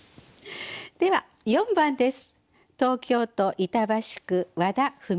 では４番です。